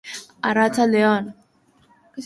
Arratsalde on!